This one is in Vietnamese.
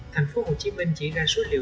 thành phố hồ chí minh chỉ ra số liệu